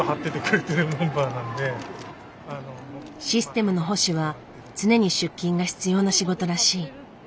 システムの保守は常に出勤が必要な仕事らしい。